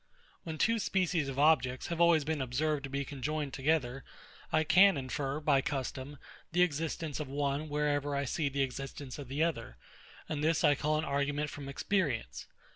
When two species of objects have always been observed to be conjoined together, I can infer, by custom, the existence of one wherever I see the existence of the other; and this I call an argument from experience.